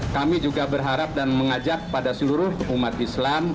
kami juga berharap dan mengajak pada seluruh umat islam